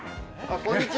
こんにちは。